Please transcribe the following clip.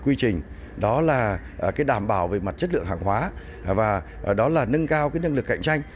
quy trình đó là đảm bảo về mặt chất lượng hàng hóa và đó là nâng cao năng lực cạnh tranh